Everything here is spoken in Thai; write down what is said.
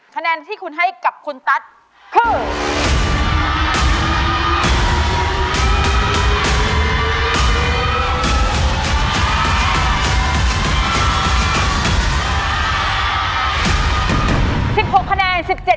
คะแนนที่คุณให้กับคุณตั๊ดคือ